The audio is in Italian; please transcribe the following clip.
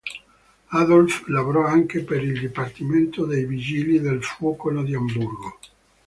Adolf lavorò anche per il dipartimento dei Vigili del Fuoco di Amburgo.